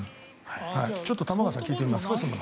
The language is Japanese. ちょっと玉川さんに聞いてみます？